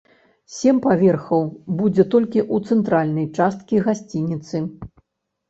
Сем паверхаў будзе толькі ў цэнтральнай часткі гасцініцы.